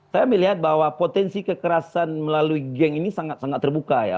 saya melihat bahwa potensi kekerasan melalui geng ini sangat sangat terbuka ya